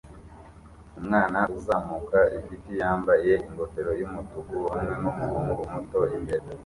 Umwana uzamuka igiti yambaye ingofero yumutuku hamwe numuhungu muto imbere